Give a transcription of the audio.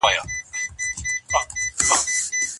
علمي سیمینار بې بودیجې نه تمویلیږي.